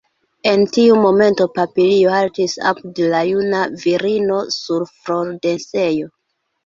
En tiu momento papilio haltis apud la juna virino sur flordensejo.